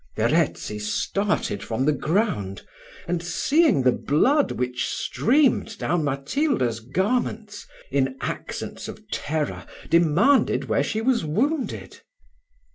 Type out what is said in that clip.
Verezzi started from the ground, and seeing the blood which streamed down Matilda's garments, in accents of terror demanded where she was wounded.